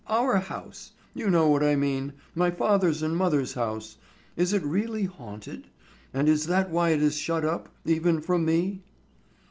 Our house—you know what I mean, my father's and mother's house,—is it really haunted, and is that why it is shut up, even from me?"